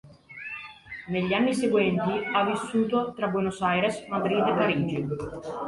Negli anni seguenti ha vissuto tra Buenos Aires, Madrid e Parigi.